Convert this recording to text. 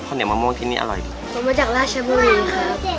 ข้าวเหนียวมะม่วงที่นี่อร่อยดีมาจากราชมะมีนครับ